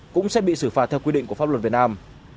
cũng sẽ bị xử phạt theo quy định của pháp luật việt nam